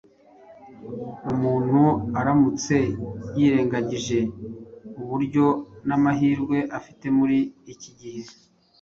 Umuntu aramutse yirengagije uburyo n’amahirwe afite muri iki gihe,